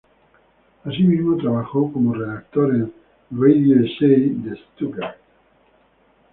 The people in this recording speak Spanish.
Asimismo, trabajó como redactor en "Radio Essay" de Stuttgart.